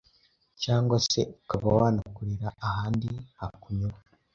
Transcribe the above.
cyangwa se ukaba wanakorera ahandi hakunyura